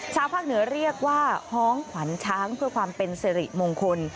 ชาวภาคเหนือเรียกว่าฮ้องขวัญช้างเพื่อความเป็นสิริมงคล